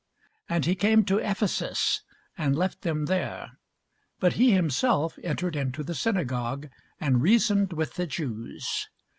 And he came to Ephesus, and left them there: but he himself entered into the synagogue, and reasoned with the Jews.